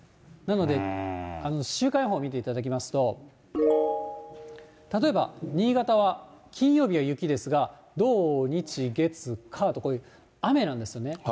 なので、週間予報見ていただきますと、例えば、新潟は金曜日は雪ですが、土、日、月、火と雨なんですよね。